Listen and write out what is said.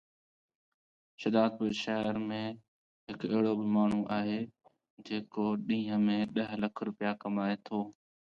These warnings were later expanded to include the entire Texas coastline.